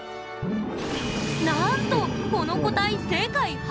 なんとこの個体世界初公開！